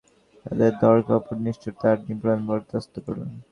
তাদের ধরপাকড়, নিষ্ঠুরতা আর নিপীড়ন বরদাস্ত করলেন।